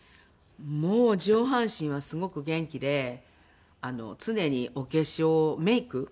もう上半身はすごく元気で常にお化粧メイク？